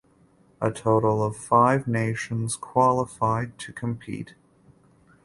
A total of five nations qualified to compete.